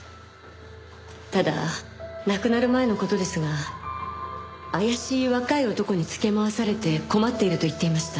ただ亡くなる前の事ですが怪しい若い男につけ回されて困っていると言っていました。